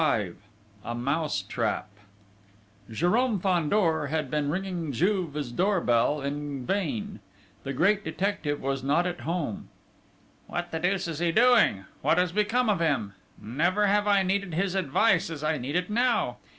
XXV A MOUSE TRAP Jérôme Fandor had been ringing Juve's door bell in vain: the great detective was not at home. "What the deuce is he doing? What has become of him? Never have I needed his advice as I need it now!...